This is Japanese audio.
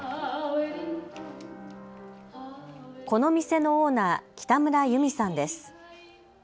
この店のオーナー、北村ゆみさんです。